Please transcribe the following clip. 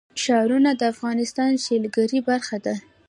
ښارونه د افغانستان د سیلګرۍ برخه ده.